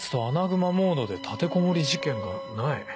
アナグマモードで立てこもり事件」がない。